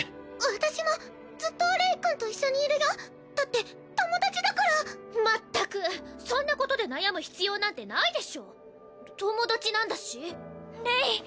私もずっとレイ君と一緒にいるよだって友達だからまったくそんなことで悩む必要なんてないでしょ友達なんだしレイ！